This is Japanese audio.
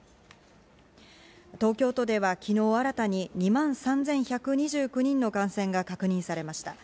東京都では昨日新たに２万３１２９人の感染が確認されました。